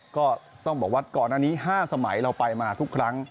ก็ต้องบอกว่าก่อนอันนี้๕สมัยเราไปมาทุกครั้ง